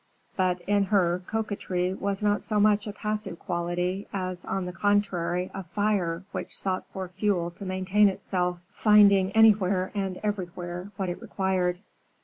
But, in her, coquetry was not so much a passive quality, as, on the contrary, a fire which sought for fuel to maintain itself, finding anywhere and everywhere what it required.